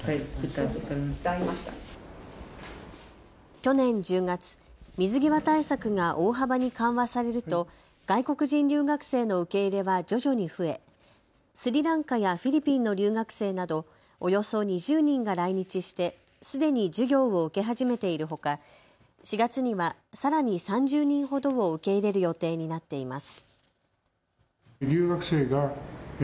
去年１０月、水際対策が大幅に緩和されると外国人留学生の受け入れは徐々に増えスリランカやフィリピンの留学生などおよそ２０人が来日してすでに授業を受け始めているほか、４月にはさらに３０人ほどを受け入れる予定になっています。